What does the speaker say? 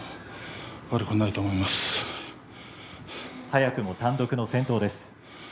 早くも単独の先頭です。